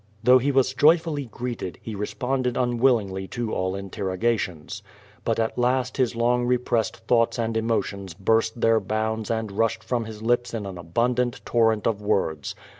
Though he was joyfully greeted, he responded unwillingly to all interrogations. But at last his long repressed thoughts and emotions 1)urst their bounds and rushed from his lips in an abundant torrent of words.